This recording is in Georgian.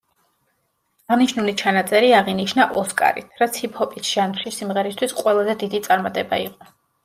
აღნიშნული ჩანაწერი აღინიშნა ოსკარით, რაც ჰიპ-ჰოპის ჟანრში სიმღერისთვის ყველაზე დიდი წარმატება იყო.